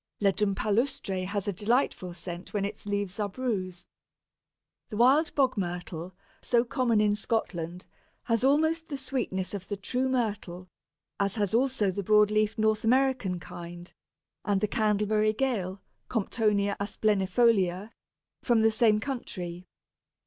Ledum palustre has a delightful scent when its leaves are bruised. The wild Bog myrtle, so common in Scotland, has almost the sweetness of the true Myrtle, as has also the broad leaved North American kind, and the Candleberry Gale (Comptonia asplenifolia) from the same country.